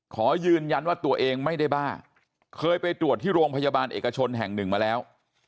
ขอยืนยันว่าตัวเองไม่ได้บ้าเคยไปตรวจที่โรงพยาบาลเอกชนแห่งหนึ่งมาแล้ว